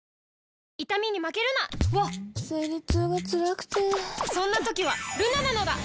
わっ生理痛がつらくてそんな時はルナなのだ！